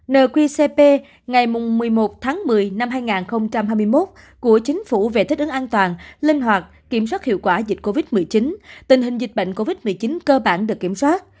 nqcp ngày một mươi một tháng một mươi năm hai nghìn hai mươi một của chính phủ về thích ứng an toàn linh hoạt kiểm soát hiệu quả dịch covid một mươi chín tình hình dịch bệnh covid một mươi chín cơ bản được kiểm soát